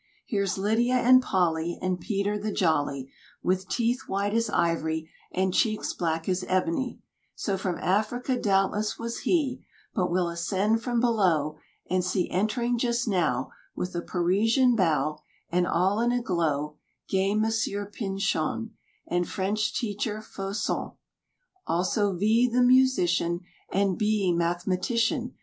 Here's Lydia and Polly, And Peter the jolly, With teeth white as ivory And cheeks black as ebony, So from Africa doubtless was he; But we'll ascend from below, And see entering just now With a Parisian bow And all in a glow Gay Monsieur Pichon, And French teacher Faucon; Also V , the Musician, And B , Mathematician.